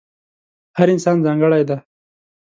هر انسان ځانګړی دی.